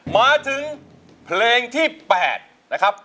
มาถึงเพลงที่๘นะครับ